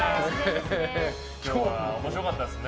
今日は面白かったですね。